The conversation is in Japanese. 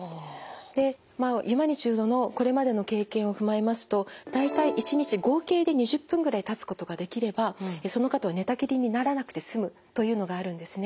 でまあユマニチュードのこれまでの経験を踏まえますと大体１日合計で２０分ぐらい立つことができればその方は寝たきりにならなくて済むというのがあるんですね。